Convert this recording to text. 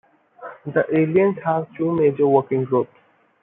The Alliance has two major working groups.